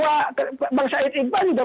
tidak mungkin dia tidak baca ketika dia demo